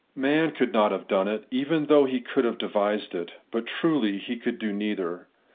Man could not have done it, even though he could have devised it. But truly he could do neither.